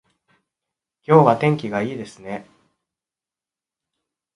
今日は天気がいいですね